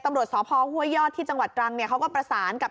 ตำรวจสพห้วยยอดที่จังหวัดตรังเนี่ยเขาก็ประสานกับ